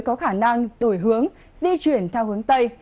có khả năng đổi hướng di chuyển theo hướng tây